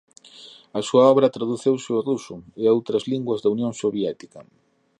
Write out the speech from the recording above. A súa obra traduciuse ao ruso e a outras linguas da Unión Soviética.